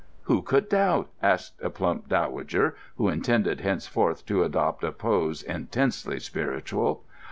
"Who could doubt?" asked a plump dowager, who intended henceforth to adopt a pose intensely spiritual.